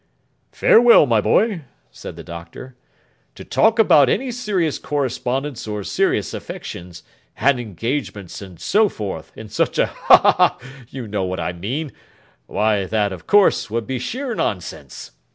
'Farewell, my boy!' said the Doctor. 'To talk about any serious correspondence or serious affections, and engagements and so forth, in such a—ha ha ha!—you know what I mean—why that, of course, would be sheer nonsense.